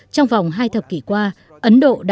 trong vòng hai thập kỷ qua ấn độ đã khó khăn